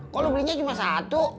kok lo belinya cuma satu